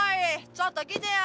ちょっと来てや！